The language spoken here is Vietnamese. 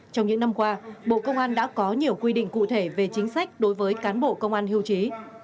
trong những năm qua bộ công an đã có nhiều quy định cụ thể về chính sách đối với cán bộ công an hưu trí